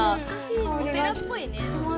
お寺っぽいね。